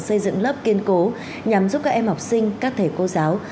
xây dựng lớp kiên cố nhằm giúp các em học sinh các thầy cô giáo